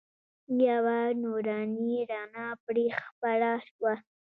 یوه نوراني رڼا پرې خپره وه.